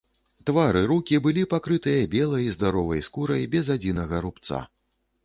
Твар і рукі былі пакрытыя белай здаровай скурай, без адзінага рубца.